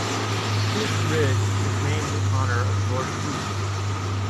Pusch Ridge is named in honor of George Pusch.